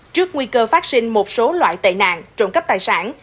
trước nguy cơ phát sinh một số loại tệ nạn trộm cắp tài sản